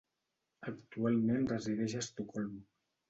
Actualment resideix a Estocolm.